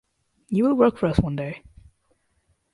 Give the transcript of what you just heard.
You will work for us one day!